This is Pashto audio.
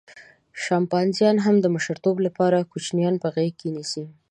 شامپانزیان هم د مشرتوب لپاره کوچنیان په غېږه کې نیسي.